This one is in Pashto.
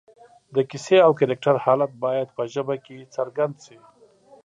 د کیسې او کرکټر حالت باید په ژبه کې څرګند شي